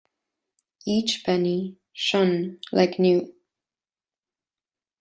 Each penny shone like new.